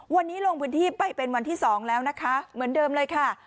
วันนี้ลงพื้นที่ไปเป็นวันที่๒แล้วนะคะเหมือนเดิมเลยค่ะ